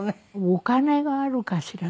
お金があるかしら？